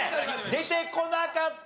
出てこなかった。